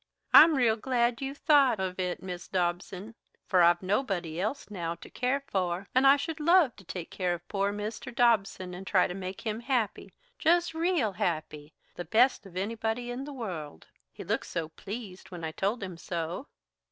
I'm real glad you thought of it, Mis' Dobson, for I've nobody else, now, to care for, and I should love to take care of poor Mr. Dobson and try to make him happy just real happy the best of anybody in the world. He looked so pleased when I told him so."